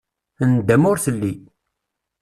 Nndama ur telli.